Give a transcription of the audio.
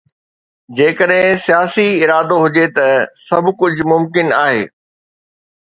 جيڪڏهن سياسي ارادو هجي ته سڀ ڪجهه ممڪن آهي.